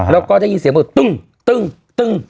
แล้วก็จะยินเสียงเป็นตึง